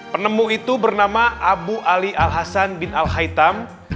penemu itu bernama abu ali al hasan bin al haitam